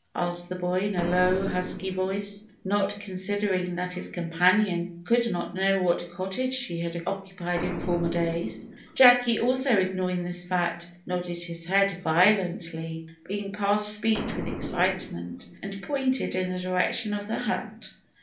asked the boy, in a low, husky voice, not considering that his companion could not know what cottage she had occupied in former days. Jacky, also ignoring this fact, nodded his head violently, being past speech with excitement, and pointed in the direction of the hut.